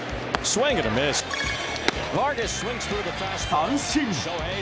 三振！